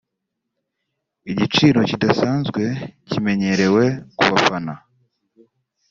igiciro kidasanzwe kimenyerewe ku bafana